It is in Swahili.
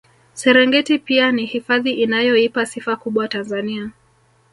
Serengeti pia ni hifadhi inayoipa sifa kubwa Tanzania